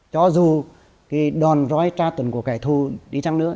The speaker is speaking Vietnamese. cho dù cái đòn roi tra tuần của kẻ thù đi chăng nữa